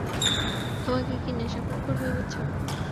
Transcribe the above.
আমাকে কি নেশাখোর ভেবেছো?